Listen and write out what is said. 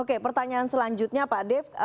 oke pertanyaan selanjutnya pak dev